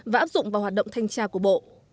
và áp dụng vào hoạt động thanh tra của bộ